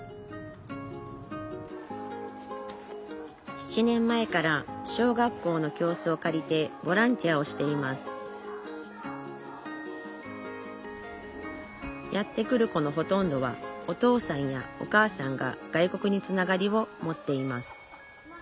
７年前から小学校の教室を借りてボランティアをしていますやって来る子のほとんどはお父さんやお母さんが外国につながりを持っています